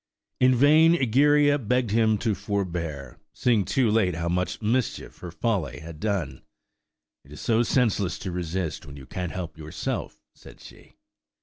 In vain Egeria begged him to forbear, seeing too late how much mischief her folly had done. "It is so senseless to resist when you can't help yourself," said she.